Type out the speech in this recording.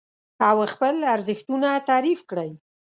او خپل ارزښتونه تعريف کړئ.